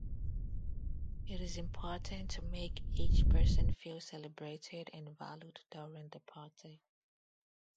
It is important to make each person feel celebrated and valued during the party.